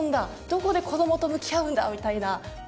どこで子どもと向き合うんだみたいな。